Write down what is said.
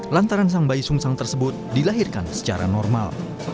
lantaran sang bayi sungsang tersebut dilahirkan secara normal